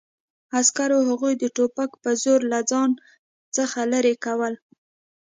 عسکرو هغوی د ټوپک په زور له ځان څخه لرې کول